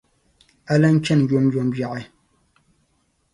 A lan chani yomyom yaɣi.